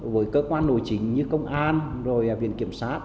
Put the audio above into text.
với cơ quan nội chính như công an rồi viện kiểm sát